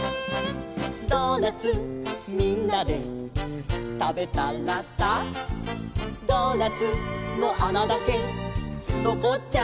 「ドーナツみんなでたべたらさ」「ドーナツのあなだけのこっちゃった」